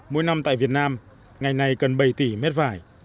mỗi năm tại việt nam ngày này cần bảy tỷ mét vải